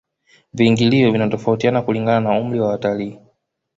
viingilio vinatofautia kulingana na umri wa watalii